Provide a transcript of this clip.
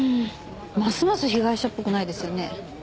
ますます被害者っぽくないですよね。